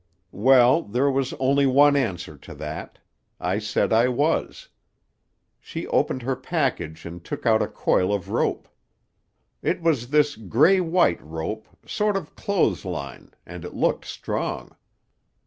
"Well, there was only one answer to that. I said I was. She opened her package and took out a coil of rope. It was this gray white rope, sort of clothes line, and it looked strong.